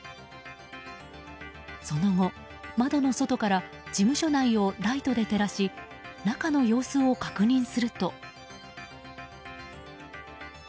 その後、窓の外から事務所内をライトで照らし中の様子を確認すると。